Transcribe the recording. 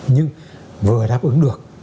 nhưng vừa đáp ứng được